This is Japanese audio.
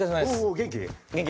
元気？